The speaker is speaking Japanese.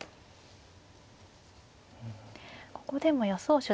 ここでも予想手